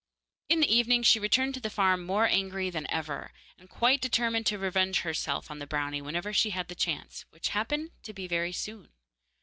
In the evening she returned to the farm more angry than ever, and quite determined to revenge herself on the brownie whenever she had the chance, which happened to be very soon.